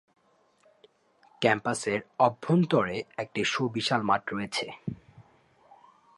ক্যাম্পাসের অভ্যন্তরে একটি সুবিশাল মাঠ রয়েছে।